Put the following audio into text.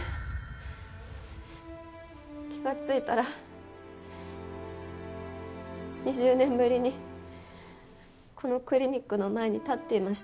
気がついたら２０年ぶりにこのクリニックの前に立っていました。